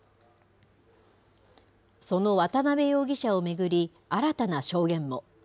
その渡邉容疑者を巡り、新たな証言も。